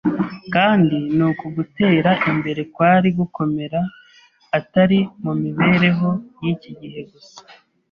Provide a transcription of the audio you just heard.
Kandi n’uku gutera imbere kwari gukomera, atari mu mibereho y’iki gihe gusa